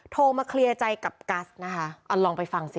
โทรมาเคลียร์ใจกับกัสนะคะเอาลองไปฟังสิ